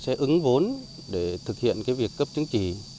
sẽ ứng vốn để thực hiện việc cấp chứng chỉ